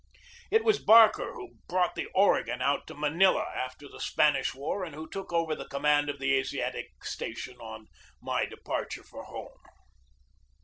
It was Barker who brought the Oregon out to Manila after the Spanish War and who took over the command of the Asiatic station on my departure for home.